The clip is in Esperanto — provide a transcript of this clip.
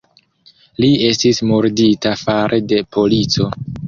Li estis murdita fare de polico.